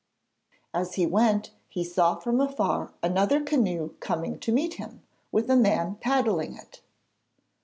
As he went he saw from afar another canoe coming to meet him, with a man paddling it.